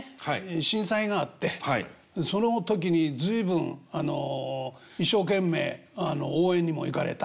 震災があってその時に随分一生懸命応援にも行かれた。